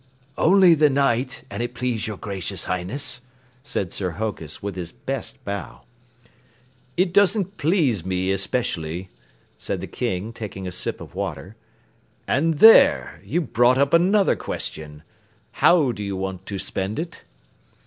"Only the night, an' it please your Gracious Highness," said Sir Hokus with his best bow. "It doesn't please me especially," said the King, taking a sip of water. "And there! You've brought up another question. How do you want to spend it?"